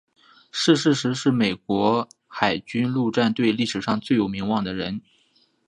逝世时是美国海军陆战队历史上最有名望的人。